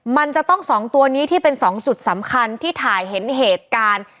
มันจะต้อง๒ตัวนี้ที่เป็น๒จุดสำคัญที่ถ่ายเห็นเหตุการณ์